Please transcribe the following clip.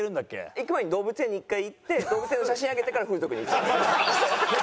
行く前に動物園に１回行って動物園の写真上げてから風俗に行きます。